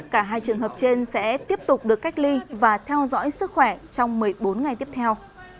cả hai trường hợp trên sẽ tiếp tục được cách ly và theo dõi sức khỏe trong một mươi bốn ngày tiếp theo